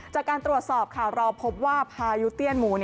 จากการตรวจสอบค่ะเราพบว่าพายุเตี้ยนหมู